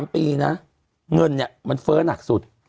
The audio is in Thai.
๓ปีนะเงินเนี่ยมันเฟ้อหนักสุด